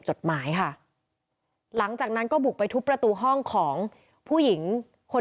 จดหมายค่ะหลังจากนั้นก็บุกไปทุบประตูห้องของผู้หญิงคน